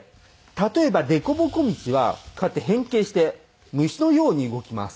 例えば凸凹道はこうやって変形して虫のように動きます。